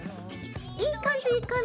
いい感じいい感じ。